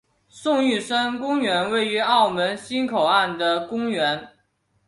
宋玉生公园是位于澳门新口岸的公园。